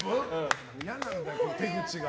嫌なんだよ、手口が。